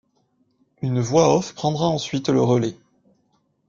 Une voix off prendra ensuite le relais.